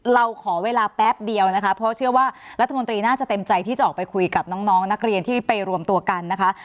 เราขอเวลาแป๊บเดียวนะคะเพราะเชื่อว่ารัฐมนตรีน่าจะเต็มใจที่จะออกไปคุยกับน้องนักเรียนที่ไปรวมตัวกันนะคะ